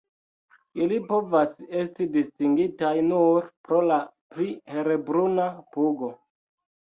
Ili povas esti distingitaj nur pro la pli helbruna pugo.